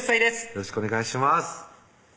よろしくお願いします